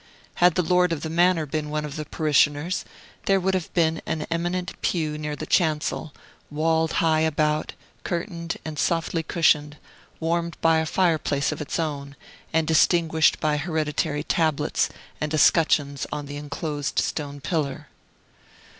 Had the lord of the manor been one of the parishioners, there would have been an eminent pew near the chancel, walled high about, curtained, and softly cushioned, warmed by a fireplace of its own, and distinguished by hereditary tablets and escutcheons on the enclosed stone pillar.